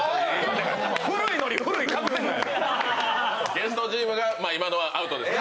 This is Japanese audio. ゲストチームが今のはアウトですね。